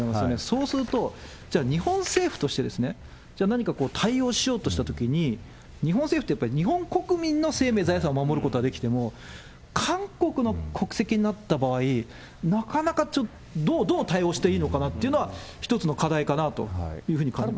そうすると、じゃあ日本政府として、じゃあ何か対応しようとしたときに、日本政府ってやっぱり日本国民の生命、財産を守ることはできても、韓国の国籍になった場合、なかなかちょっと、どう対応していいのかなっていうのは一つの課題かなと思います。